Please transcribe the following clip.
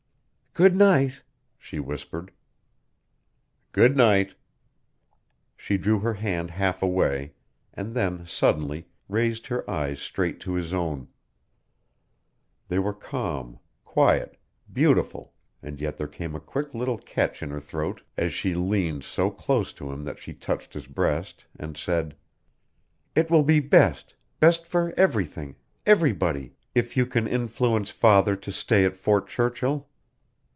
"Good night," she whispered. "Good night." She drew her hand half away, and then, suddenly, raised her eyes straight to his own. They were calm, quiet, beautiful, and yet there came a quick little catch in her throat as she leaned so close to him that she touched his breast, and said: "It will be best best for everything everybody if you can influence father to stay at Fort Churchill."